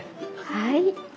はい。